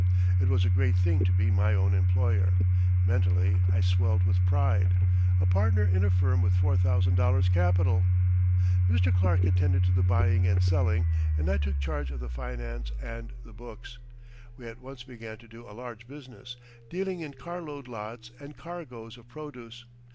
It was a great thing to be my own employer. Mentally I swelled with pride a partner in a firm with $4,000 capital! Mr. Clark attended to the buying and selling, and I took charge of the finance and the books. We at once began to do a large business, dealing in carload lots and cargoes of produce.